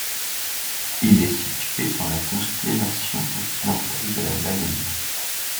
Il est situé dans la constellation occidentale de la Baleine.